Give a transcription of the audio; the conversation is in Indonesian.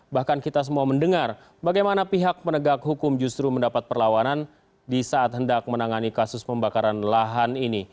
bahkan kita semua mendengar bagaimana pihak penegak hukum justru mendapat perlawanan di saat hendak menangani kasus pembakaran lahan ini